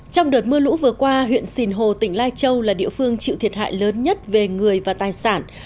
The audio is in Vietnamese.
trong đợt mưa lũ vừa qua huyện sìn hồ tỉnh lai châu là địa phương chịu thiệt hại lớn nhất về người và tài sản